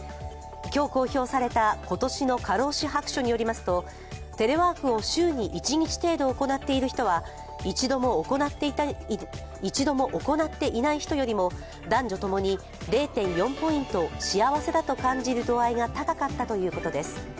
今日公表された今年の過労死白書によりますとテレワークを週に１日程度行っている人は一度も行っていない人よりも男女ともに０．４ポイント幸せだと感じる度合いが高かったということです。